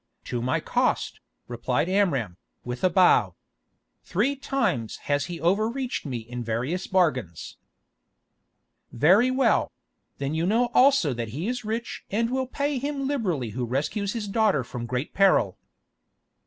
"To my cost," replied Amram, with a bow. "Three times has he overreached me in various bargains." "Very well; then you know also that he is rich and will pay him liberally who rescues his daughter from great peril."